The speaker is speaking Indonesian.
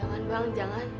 jangan bang jangan